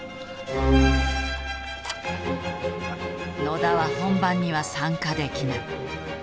野田は本番には参加できない。